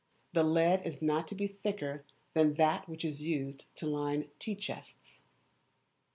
The lead is not to be thicker than that which is used to line tea chests.